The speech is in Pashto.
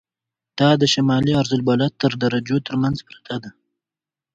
دا د شمالي عرض البلد تر درجو تر منځ پرته ده.